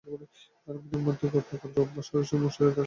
তাঁদের মধ্যে গতকাল রোববার সরিষা, মসুরির ডালসহ বিভিন্ন বীজ বিতরণ করা হয়।